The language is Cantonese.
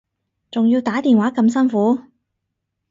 仲要打電話咁辛苦